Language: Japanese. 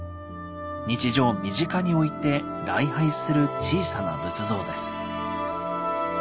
日常身近に置いて礼拝する小さな仏像です。